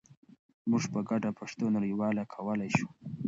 موږ په ګډه پښتو نړیواله کولای شو.